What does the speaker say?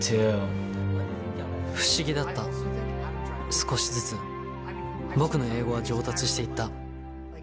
少しずつ僕の英語は上達していった。